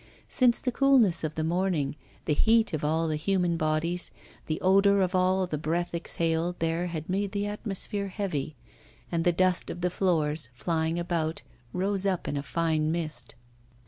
Since the coolness of the morning, the heat of all the human bodies, the odour of all the breath exhaled there had made the atmosphere heavy, and the dust of the floors, flying about, rose up in a fine mist.